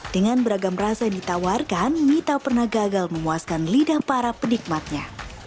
dengan beragam rasa yang ditawarkan mita pernah gagal memuaskan lidah para penikmatnya